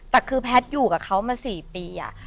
แต่คือแพทย์อยู่กับเขามา๔ปี